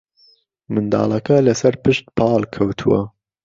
منداڵەکە لەسەرپشت پاڵکەوتووە